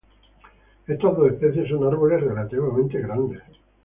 Estas dos especies son árboles relativamente grandes.